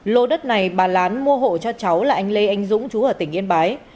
hôm nay bà lán mua hộ cho cháu là anh lê anh dũng chú ở tỉnh yên bái